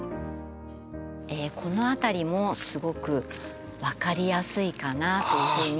この辺りもすごく分かりやすいかなというふうに。